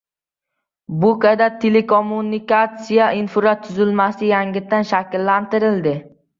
Bo‘kada telekommunikatsiya infratuzilmasi yangitdan shakllantiriladi